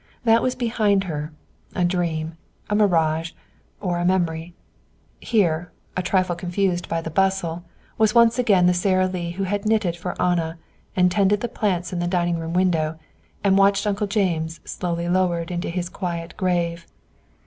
That was behind her, a dream a mirage or a memory. Here, a trifle confused by the bustle, was once again the Sara Lee who had knitted for Anna, and tended the plants in the dining room window, and watched Uncle James slowly lowered into his quiet grave.